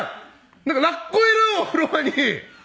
なんかラッコいるお風呂場に。